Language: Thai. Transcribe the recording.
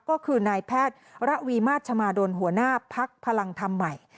ก็คือนายแพทย์ระวีมาชมาดลหัวหน้าพักพลังธรรมใหม่